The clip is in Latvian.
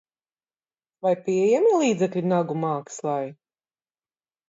Vai pieejami līdzekļi nagu mākslai?